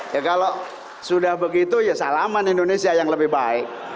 ya kalau sudah begitu ya salaman indonesia yang lebih baik